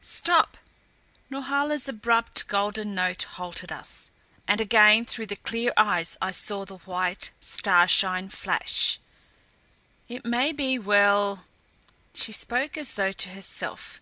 "Stop," Norhala's abrupt, golden note halted us; and again through the clear eyes I saw the white starshine flash. "It may be well " She spoke as though to herself.